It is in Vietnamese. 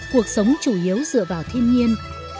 cuộc sống chủ yếu dựa vào thiên nhiên